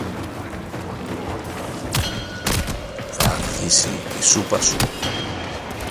Θ' αργήσει η σούπα σου;